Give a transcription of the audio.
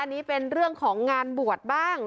อันนี้เป็นเรื่องของงานบวชบ้าง